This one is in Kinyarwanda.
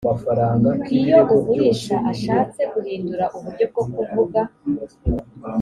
iyo ugurisha ashatse guhindura uburyo bwo kuvuga